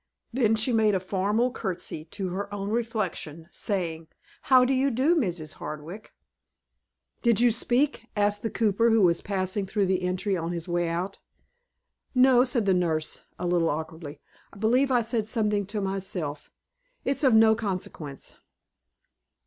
Then she made a formal courtesy to her own reflection, saying, "How do you do, Mrs. Hardwick?" "Did you speak?" asked the cooper, who was passing through the entry on his way out. "No," said the nurse, a little awkwardly. "I believe I said something to myself. It's of no consequence."